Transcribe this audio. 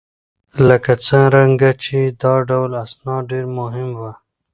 لکه څرنګه چې دا ډول اسناد ډېر مهم وه